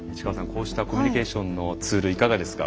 こうしたコミュニケーションのツールいかがですか？